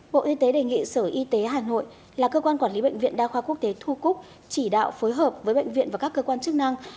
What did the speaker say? bộ y tế đề nghị sở y tế hà nội là cơ quan quản lý bệnh viện đa khoa quốc tế thu cúc chỉ đạo phối hợp với bệnh viện và các cơ quan chức năng